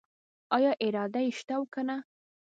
آیا اراده یې شته او کنه؟